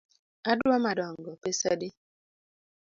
Adwa madongo, pesa adi?